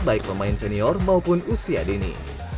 baik pemain senior maupun usia dini